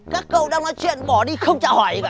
các cậu đang nói chuyện bỏ đi không trả hỏi gì cả